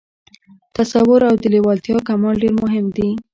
تصور او د لېوالتیا کمال ډېر مهم دي